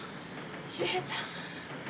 秀平さん。